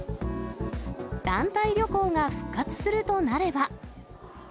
団体旅行が復活するとなれば。